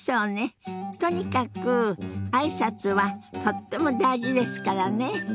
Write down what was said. とにかく挨拶はとっても大事ですからね。